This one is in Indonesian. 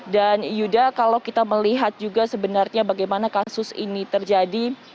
dan yuda kalau kita melihat juga sebenarnya bagaimana kasus ini terjadi